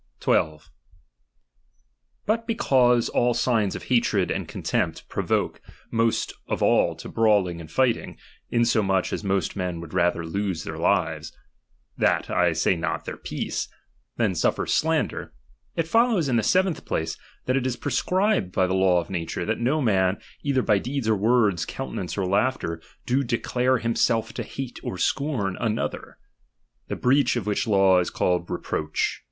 12. But because all signs of hatred and con ■. tempt provoke most of all to brawling and fight ing, insomuch as most men would rather lose their lives (that I say not, their peace) than suflFer slan der ; it follows in the seventh place, that it is pre scribed by the law of nature, that no man, either by deeds or words, countenance or laughter, do declare himself to bate or scorn another. The breach of which law is called reproach.